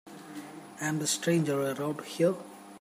I'm the stranger around here.